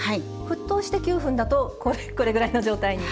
沸騰して９分だとこれぐらいの状態に？